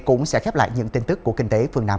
cũng sẽ khép lại những tin tức của kinh tế phương nam